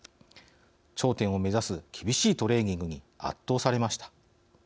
頂点を目指す厳しいトレーニングに圧倒されました。